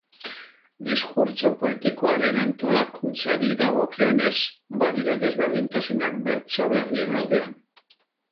Diskurtso poetikoaren antolakuntzari dagokionez, badira desberdintasunak bertso berrien aldean.